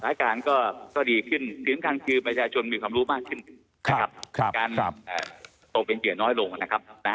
สถานการณ์ก็ดีขึ้นถึงทางคือประชาชนมีความรู้มากขึ้นนะครับการตกเป็นเหยื่อน้อยลงนะครับ